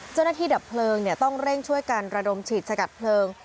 ดับเพลิงต้องเร่งช่วยกันระดมฉีดสกัดเพลิง